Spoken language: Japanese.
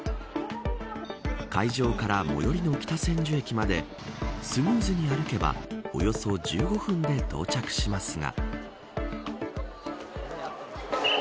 会場から最寄りの北千住駅までスムーズに歩けばおよそ１５分で到着しますが。